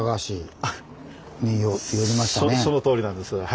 そのとおりなんです。